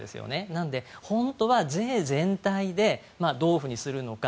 なので本当は税全体でどういうふうにするのか。